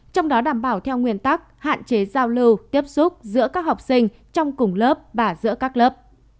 trong đó đảm bảo theo nguyên tắc hạn chế giao lưu tiếp xúc giữa các học sinh trong cùng lớp và giữa các lớp